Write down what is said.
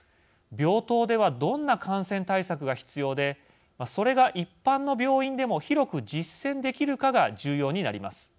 病棟ではどんな感染対策が必要でそれが一般の病院でも広く実践できるかが重要になります。